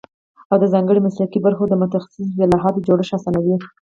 او د ځانګړو مسلکي برخو د متخصصو اصطلاحاتو جوړښت اسانوي